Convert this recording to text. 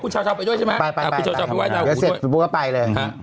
ให้ไปด้วยกัน